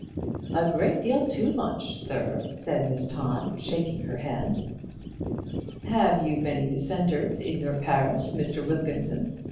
"A great deal too much, Sir," said Miss Todd, shaking her head. "Have you many Dissenters in your parish, Mr Wilkinson?"